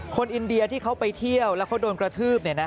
อินเดียที่เขาไปเที่ยวแล้วเขาโดนกระทืบ